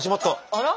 あら！